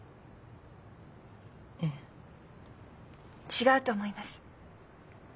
違うと思います。